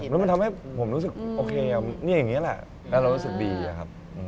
แล้วมันทำให้ผมรู้สึกโอเคนี่อย่างนี้แหละแล้วเรารู้สึกดีอะครับ